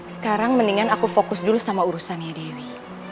sekarang mendingan aku fokus dulu sama urusan ya dewi